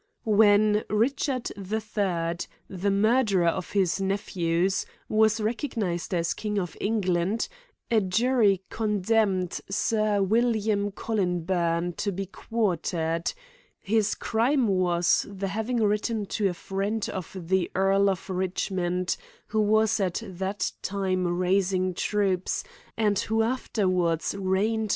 When Richard the third, the murderer of his nephews, was recognized as king of England, a jury condemned Sir William CoUinburn to be quartered ; his crime was the having written to a friend of the Earl of Richmond, who was at that time raising troops, and who afterwards reigned CRIMBS AND PUNISHMENTS.